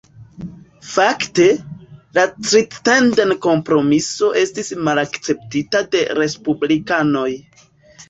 Fakte, la Crittenden-Kompromiso estis malakceptita de Respublikanoj.